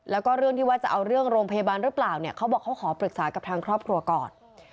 แล้วก็เรื่องที่ว่าจะเอาเรื่องโรงพยาบาลหรือเปล่าเนี่ยเขาบอกเขาขอปรึกษากับทางครอบครัวก่อน